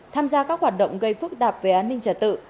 tham gia các hoạt động gây phức tạp về an ninh trả tự